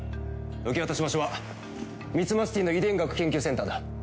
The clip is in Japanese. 受け渡し場所はミツマシティの遺伝学研究センターだ。